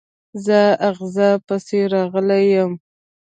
زه غزا پسي راغلی یم.